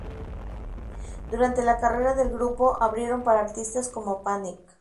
Durante la carrera del grupo, abrieron para artistas como Panic!